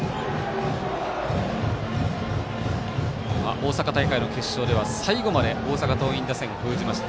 大阪大会の決勝では最後まで大阪桐蔭打線を封じました。